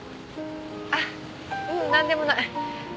あっううんなんでもない。